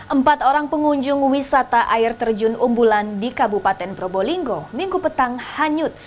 empat orang pengunjung wisata air terjun umbulan di kabupaten probolinggo minggu petang hanyut